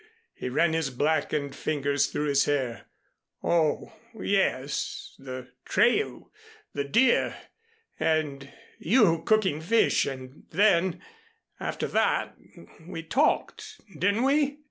He ran his blackened fingers through his hair. "Oh, yes, the trail the deer and you cooking fish and then after that we talked, didn't we?"